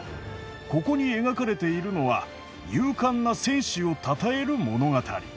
ここに描かれているのは勇敢な戦士をたたえる物語。